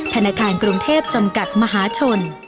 ธนาคารกรุงเทพจำกัดมหาชน